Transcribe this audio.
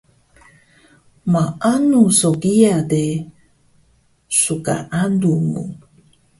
Maanu so kiya de, sgaalu mu